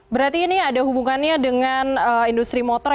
berarti ini ada hubungannya dengan industri motor